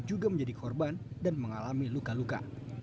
juga menjadi korban dan mengalami luka luka